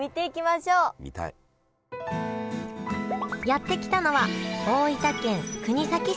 やって来たのは大分県国東市。